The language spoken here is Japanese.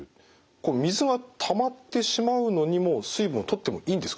水はたまってしまうのにもう水分をとってもいいんですか？